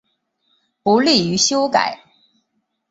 不利于修改